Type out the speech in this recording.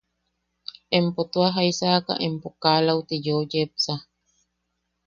–¿Empo tua jaisaka empo kaa lauti yeu yepsa?